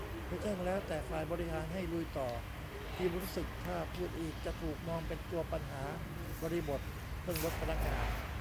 เคยแจ้งแล้ว แต่ฝ่ายบริหารให้ลุยต่อ ทีมรู้สึกถ้าพูดอีกจะถูกมองเป็นตัวปัญหา บริบท : เพิ่งลดพนักงาน